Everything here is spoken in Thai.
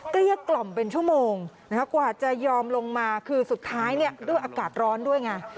เกลี้ยกล่อมเป็นชั่วโมงกว่าจะยอมลงมาคือสุดท้ายด้วยอากาศร้อนด้วยไง